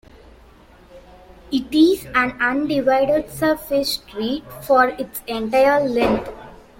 It is an undivided surface street for its entire length.